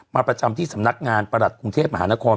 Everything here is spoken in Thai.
ประจำที่สำนักงานประหลัดกรุงเทพมหานคร